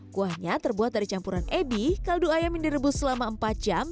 kuahnya terbuat dari campuran ebi kaldu ayam yang direbus selama empat jam